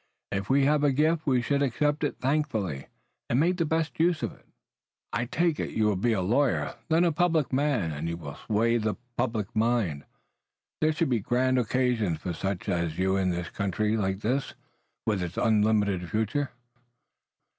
If we have a gift we should accept it thankfully, and make the best use of it we can. You, I take it, will be a lawyer, then a public man, and you will sway the public mind. There should be grand occasions for such as you in a country like this, with its unlimited future."